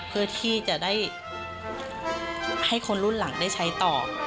เพื่อที่จะได้ให้คนรุ่นหลังได้ใช้ต่อ